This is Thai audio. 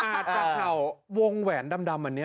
อาจจะเห่าวงแหวนดำอันนี้